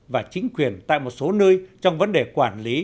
và chính quyền tại một số nơi trong vấn đề quản lý